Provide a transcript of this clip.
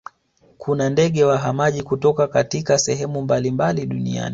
kuna ndege wahamaji kutoka katika sehemu mbalimbali duniani